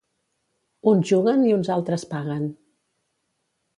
Uns juguen i uns altres paguen.